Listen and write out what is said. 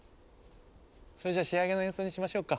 それじゃ仕上げの演奏にしましょうか。